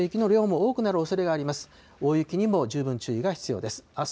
大雪にも十分注意が必要です。